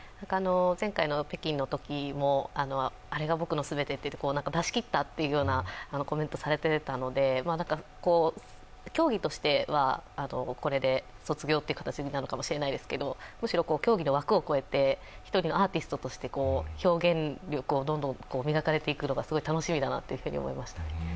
前回の北京のときもあれが僕の全て、出し切ったというコメントをされていたので競技としてはこれで卒業なのかもしれないですけれどもむしろ競技の枠を超えて、１人のアーティストとして表現力がどんどん磨かれていくのがすごい楽しみだなと思いました。